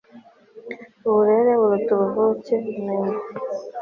uburere buruta ubuvuke bimenye